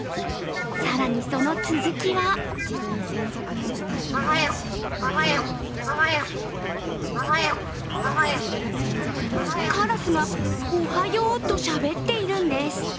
更にその続きはからすが、おはようとしゃべっているんです。